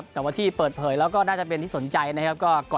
แต่ว่าที่เปิดเผยแล้วก็ชนใจก็